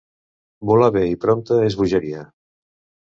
Voler bé i prompte és bogeria.